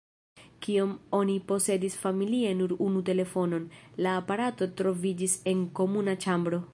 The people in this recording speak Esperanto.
Kiam oni posedis familie nur unu telefonon, la aparato troviĝis en komuna ĉambro.